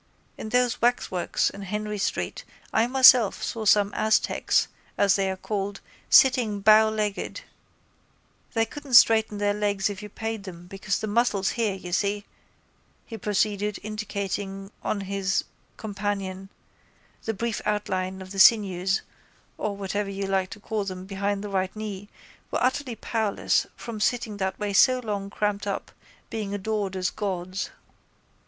In those waxworks in Henry street I myself saw some Aztecs, as they are called, sitting bowlegged, they couldn't straighten their legs if you paid them because the muscles here, you see, he proceeded, indicating on his companion the brief outline of the sinews or whatever you like to call them behind the right knee, were utterly powerless from sitting that way so long cramped up, being adored as gods.